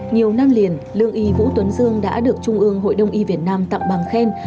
nhiều năm liền lương y vũ tuấn dương đã được trung ương hội đông y việt nam tặng bằng khen